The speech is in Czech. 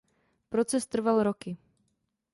Proces trval roky.